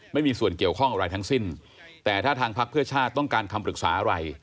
ไม่มีส่วนเกี่ยวข้องอะไรทั้งสิ้นแต่ถ้าทางพักเพื่อชาติต้องการคำปรึกษาอะไร